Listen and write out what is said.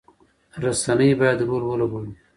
رسنۍ باید رول ولوبوي.